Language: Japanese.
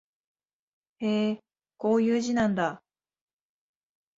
へえ、こういう字なんだ